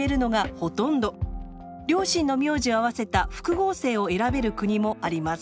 両親の名字を合わせた複合姓を選べる国もあります。